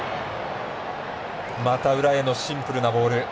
また裏へのシンプルなボール。